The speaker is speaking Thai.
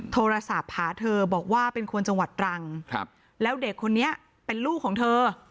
โทรศัพท์หาเธอบอกว่าเป็นคนจังหวัดตรังแล้วเด็กคนนี้เป็นลูกของเธอ